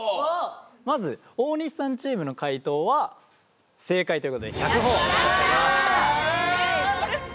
まず大西さんチームの解答は正解ということで１００ほぉ差し上げます。